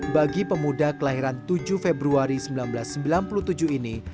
bagi pemuda kelahiran tujuh februari seribu sembilan ratus sembilan puluh tujuh ini